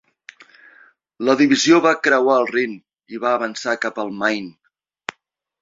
La divisió va creuar el Rin i va avançar cap el Main.